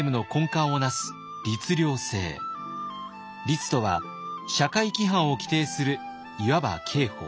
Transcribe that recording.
「律」とは社会規範を規定するいわば刑法。